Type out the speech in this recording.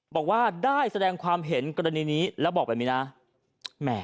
บอกว่าได้แสดงความเห็นกรณีนี้แล้วบอกแบบนี้นะ